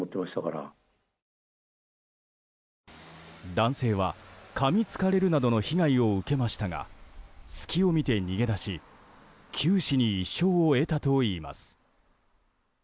男性は、かみつかれるなどの被害を受けましたが隙を見て逃げ出し九死に一生を得たといいます。